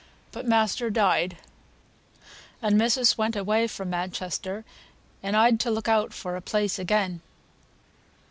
But master died, and missis went away fra Manchester, and I'd to look out for a place again."